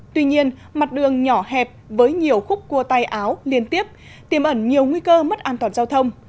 tuy nhiên mặt đường nhỏ hẹp với nhiều khúc cua tay áo liên tiếp tiềm ẩn nhiều nguy cơ mất an toàn giao thông